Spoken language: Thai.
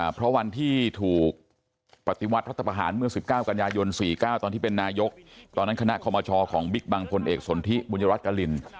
เพราะวันที่ถูกปฏิวัติรัฐประหารเมื่อ๑๙กันยายน๔๙ตอนที่เป็นนายกตอนนั้นคณะคอมชของบิ๊กบังพลเอกสนทิบุญรัฐกริน